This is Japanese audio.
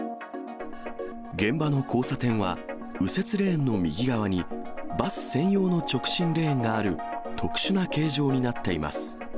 現場の交差点は右折レーンの右側に、バス専用の直進レーンがある特殊な形状になっています。